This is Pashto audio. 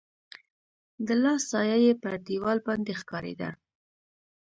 د لاس سایه يې پر دیوال باندي ښکارېده.